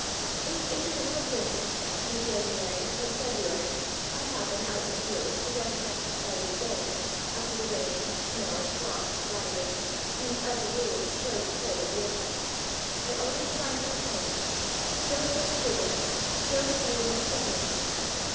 If, in the middle of winter, in January, or February, I happen, out in the fields, to ransack the Spider's dwelling, after the rain, snow, and frost have battered it and, as a rule, destroyed the curb at the entrance, I always find her at home, still full of vigor, still carrying her family.